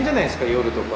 夜とか。